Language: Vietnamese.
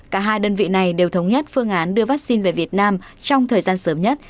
cả hai đơn vị này đều thống nhất phương án đưa vaccine về việt nam trong thời gian sớm nhất